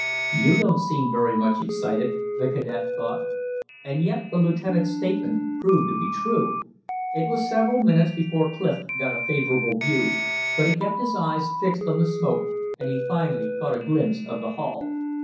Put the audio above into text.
"You don't seem very much excited," the cadet thought. And yet the lieutenant's statement proved to be true. It was several minutes before Clif got a favorable view; but he kept his eyes fixed on the smoke and he finally caught a glimpse of the hull.